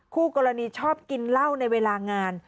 คู่กรณีชอบกินเหล้าในเวลางาน